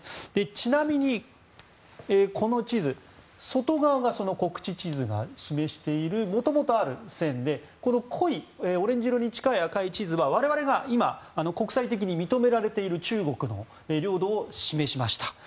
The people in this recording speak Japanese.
ちなみに、この地図外側が国恥地図が示している、もともとある線でこの濃いオレンジ色に近い赤い地図は我々が今国際的に認められている中国の領土を示しました。